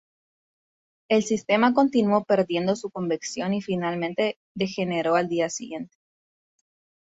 El sistema continuó perdiendo su convección y finalmente degeneró al día siguiente.